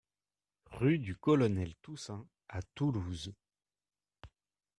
Rue du Colonel Toussaint à Toulouse